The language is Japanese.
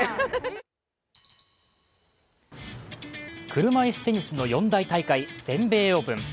車いすテニスの四大大会全米オープン。